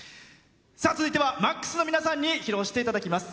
続いてはＭＡＸの皆さんに披露していただきます。